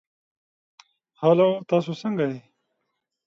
Polanco had last been home in April.